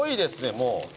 もう。